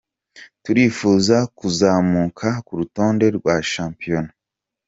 Turifuza kuzamuka ku rutonde rwa shampiyona.